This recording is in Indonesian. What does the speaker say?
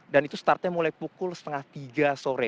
dan itu startnya mulai pukul setengah tiga sore